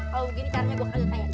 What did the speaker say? kalau gini caranya gua kali kayak